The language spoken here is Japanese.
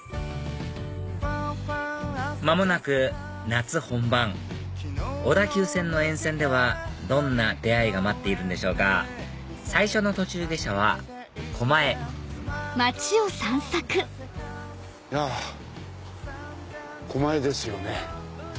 間もなく夏本番小田急線の沿線ではどんな出会いが待っているんでしょうか最初の途中下車は狛江あ狛江ですよね。